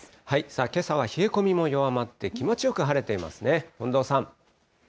けさは冷え込みも弱まって気持ちよく晴れていますね。